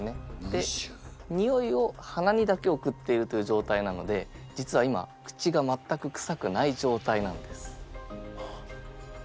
でにおいを鼻にだけ送っているというじょうたいなので実は今口がまったくくさくないじょうたいなんです。